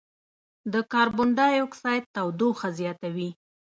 د کاربن ډای اکسایډ تودوخه زیاتوي.